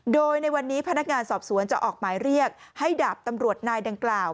โดยในวันนี้พนักงานสอบสวนจะออกหมายเรียกให้ดาบตำรวจนายดังกล่าว